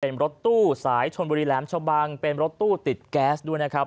เป็นรถตู้สายชนบุรีแหลมชะบังเป็นรถตู้ติดแก๊สด้วยนะครับ